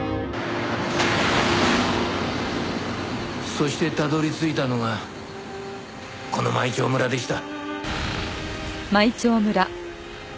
そしてたどり着いたのがこの舞澄村でした。